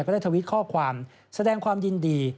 ได้ทวิตข้อความแสดงความยินดี